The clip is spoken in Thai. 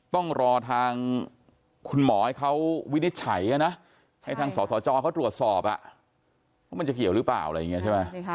ต้องรอทางคุณหมอให้เขาวินิจฉัยนะให้ทางสสจเขาตรวจสอบว่ามันจะเกี่ยวหรือเปล่าอะไรอย่างนี้ใช่ไหม